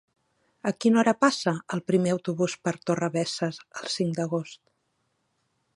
A quina hora passa el primer autobús per Torrebesses el cinc d'agost?